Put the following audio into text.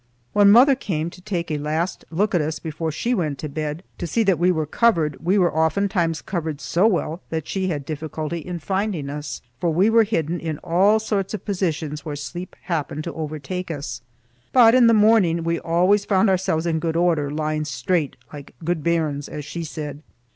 When mother came to take a last look at us, before she went to bed, to see that we were covered, we were oftentimes covered so well that she had difficulty in finding us, for we were hidden in all sorts of positions where sleep happened to overtake us, but in the morning we always found ourselves in good order, lying straight like gude bairns, as she said.